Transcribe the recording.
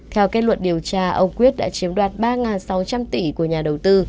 theo kết luận điều tra ông quyết đã chiếm đoạt ba sáu trăm linh tỷ của nhà đầu tư